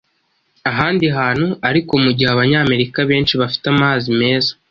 ahandi hantu. Ariko mu gihe Abanyamerika benshi bafite amazi meza